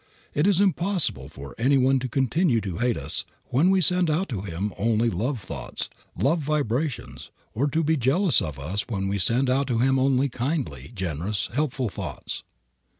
It is impossible for any one to continue to hate us, when we send out to him only love thoughts, love vibrations, or to be jealous of us when we send out to him only kindly, generous, helpful thoughts.